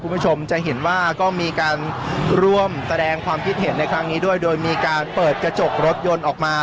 คุณผู้ชมจะเห็นว่าก็มีการร่วมแสดงความคิดเห็นในครั้งนี้ด้วยโดยมีการเปิดกระจกรถยนต์ออกมา